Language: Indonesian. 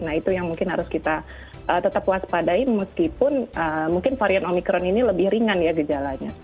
nah itu yang mungkin harus kita tetap waspadai meskipun mungkin varian omikron ini lebih ringan ya gejalanya